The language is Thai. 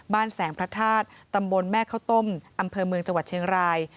แสงพระธาตุตำบลแม่ข้าวต้มอำเภอเมืองจังหวัดเชียงราย